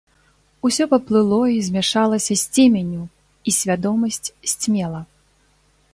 Усё паплыло і змяшалася з цеменню, і свядомасць сцьмела.